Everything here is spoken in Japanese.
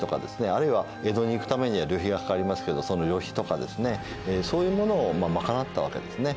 あるいは江戸に行くためには旅費がかかりますけどその旅費とかですねそういうものを賄ったわけですね。